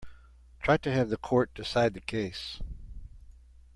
Try to have the court decide the case.